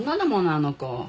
あの子。